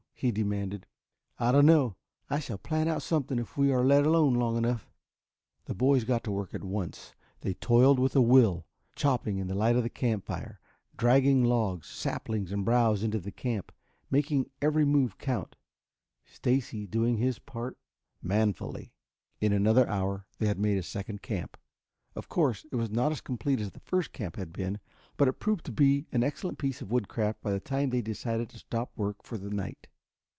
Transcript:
he demanded. "I don't know. I shall plan out something if we are let alone long enough." The boys got to work at once. They toiled with a will, chopping in the light of the campfire, dragging logs, saplings and browse into the camp, making every move count, Stacy doing his part manfully. In another hour they had made a second camp. Of course, it was not as complete as the first camp had been, but it proved to be an excellent piece of woodcraft by the time they decided to stop work for the night.